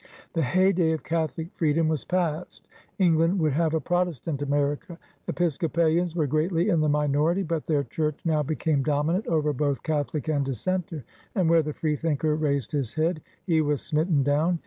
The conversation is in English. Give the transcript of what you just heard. The heyday of Catholic freedom was past. Eng land would have a Protestant America. Episco palians were greatly in the minority, but their Church now became dominant over both Catholic and Dissenter, and where the freethinker raised his head he was smitten down.